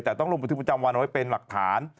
แต่ต้องลงบันทึกประจำวันไว้เป็นหลักฐาน